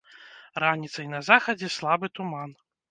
Раніцай на захадзе слабы туман.